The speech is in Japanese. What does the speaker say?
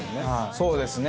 そうですね。